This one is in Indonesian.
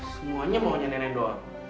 semuanya maunya nenek doang